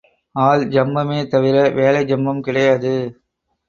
ஆள் ஜம்பமே தவிர வேலை ஜம்பம் கிடையாது.